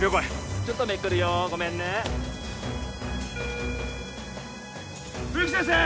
ちょっとめくるよごめんね冬木先生